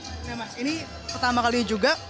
oke ini pertama kali juga